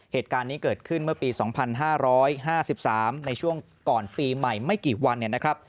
เหตุการณ์นี้เกิดขึ้นเมื่อปี๒๕๕๓ในช่วงก่อนปีใหม่ไม่กี่วันเนี่ยนะครับ